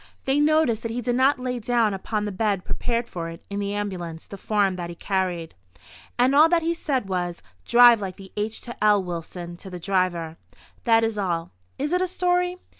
They noticed that he did not lay down upon the bed prepared for it in the ambulance the form that he carried, and all that he said was: "Drive like h––––l, Wilson," to the driver. That is all. Is it a story?